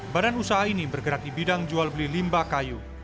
badan usaha ini bergerak di bidang jual beli limba kayu